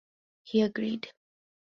He agreed.